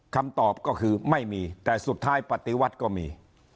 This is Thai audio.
คำตอบก็คือไม่มีแต่สุดท้ายปฏิวัติก็มี